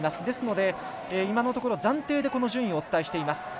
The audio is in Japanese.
ですので、今のところ暫定でこの順位をお伝えしています。